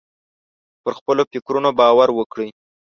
پر خپلو فکرونو باور وکړئ.